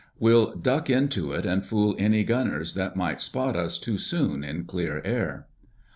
We'll duck into it and fool any gunners that might spot us too soon in clear air."